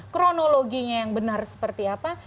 kronologinya yang benar seperti apa